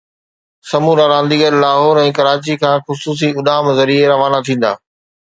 سمورا رانديگر لاهور ۽ ڪراچي کان خصوصي اڏام ذريعي روانا ٿيندا